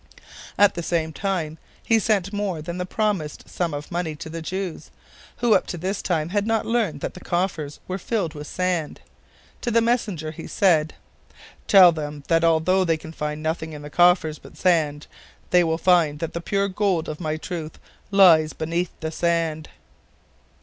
At the same time he sent more than the promised sum of money to the Jews, who up to this time had not learned that the coffers were filled with sand. To the messenger he said: "Tell them, that although they can find nothing in the coffers but sand, they will find that the pure gold of my truth lies beneath the sand."